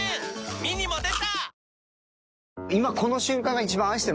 ミニも出た！